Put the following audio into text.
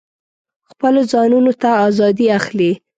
خپلو ځانونو ته آزادي اخلي.